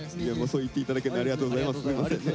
そう言って頂けてありがとうございます。